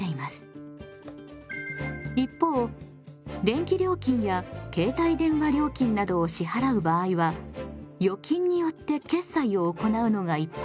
一方電気料金や携帯電話料金などを支払う場合は預金によって決済を行うのが一般的です。